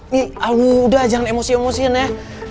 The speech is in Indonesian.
nih udah jangan emosi emosiin ya